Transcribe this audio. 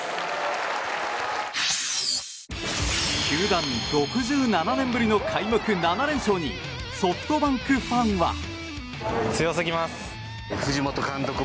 球団６７年ぶりの開幕７連勝にソフトバンクファンは。